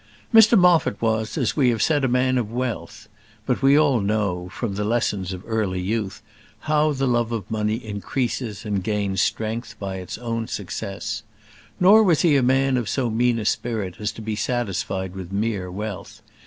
Mr Moffat was, as we have said, a man of wealth; but we all know, from the lessons of early youth, how the love of money increases and gains strength by its own success. Nor was he a man of so mean a spirit as to be satisfied with mere wealth.